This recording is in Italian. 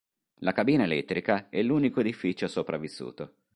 La cabina elettrica è l'unico edificio sopravvissuto.